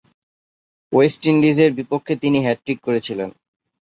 West ইন্ডিজের বিপক্ষে তিনি হ্যাট্রিক করেছিলেন।